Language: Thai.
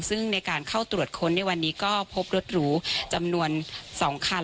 ซึ่งในการเข้าตรวจค้นในวันนี้ก็พบรถหรูจำนวน๒คัน